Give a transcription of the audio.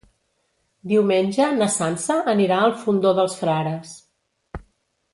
Diumenge na Sança anirà al Fondó dels Frares.